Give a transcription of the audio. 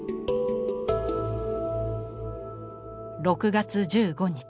「６月１５日